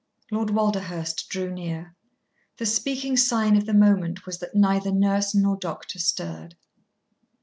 Lord Walderhurst drew near. The speaking sign of the moment was that neither nurse nor doctor stirred.